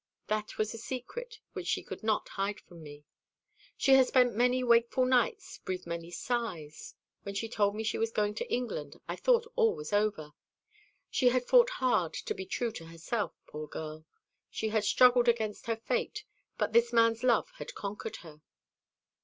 That was a secret which she could not hide from me. She had spent many wakeful nights, breathed many sighs. When she told me she was going to England, I thought all was over. She had fought hard to be true to herself, poor girl: she had struggled against her fate: but this man's love had conquered her."